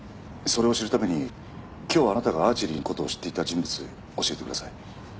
それを知るために今日あなたがアーチェリーに行く事を知っていた人物教えてください。